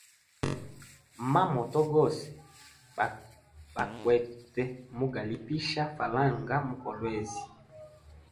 Ma moto gose bakwete mugalipisha falanga mu kolwezi.